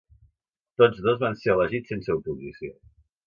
Tots dos van ser elegits sense oposició.